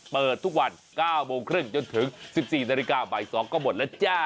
เปิดทุกวัน๙โมงครึ่งจนถึง๑๔นาฬิกาบ่าย๒ก็หมดแล้วจ้า